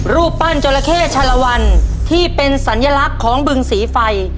รูปปั้นจราเข้ชะละวันที่เป็นสัญลักษณ์ของบึงสีไฟ